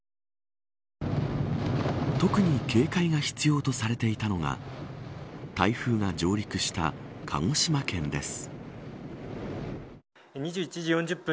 特に警戒が必要とされていたのが台風が上陸した鹿児島県です。